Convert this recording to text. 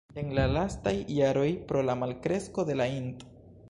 En la lastaj jaroj pro la malkresko de la int.